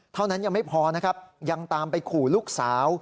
เท่านั้นยังไม่พอนะครับยังตามไปขู่ลูกสาว